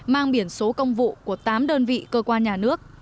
mang biển số công vụ của tám đơn vị cơ quan nhà nước